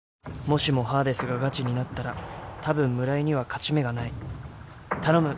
もしもハーデースがガチになったら多分村井には勝ち目がない頼む